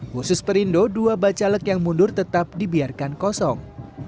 khusus perindo dua bacalek yang mundur tetap dibiarkan kosong